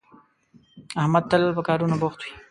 احمد تل په کارونو بوخت وي